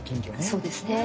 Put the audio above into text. そうですね。